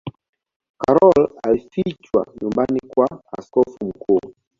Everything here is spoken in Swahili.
karol alifichwa nyumbani kwa askofu mkuu